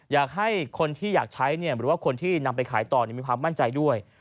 อยากให้คนที่อยากใช้หรือว่าคนที่นำไปขายต่อมีความมั่นใจด้วย